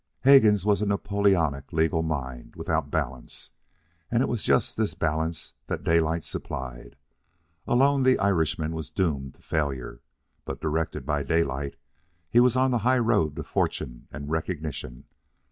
Hegan's was a Napoleonic legal mind, without balance, and it was just this balance that Daylight supplied. Alone, the Irishman was doomed to failure, but directed by Daylight, he was on the highroad to fortune and recognition.